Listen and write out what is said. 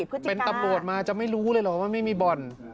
เป็นตำรวจมาจะไม่รู้เลยเหรอว่าไม่มีบ่อน